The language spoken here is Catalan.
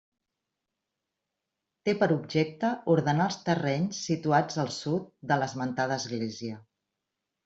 Té per objecte ordenar els terrenys situats al sud de l'esmentada església.